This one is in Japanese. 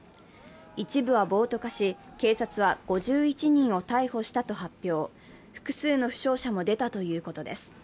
一部は暴徒化し、警察は５１人を逮捕したと発表、複数の負傷者も出たということです。